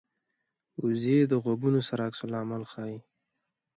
وزې د غږونو سره عکس العمل ښيي